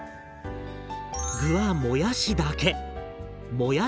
具はもやしだけ！